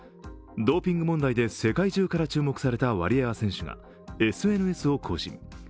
ドーピング問題で世界中から注目されたワリエワ選手がＳＮＳを更新。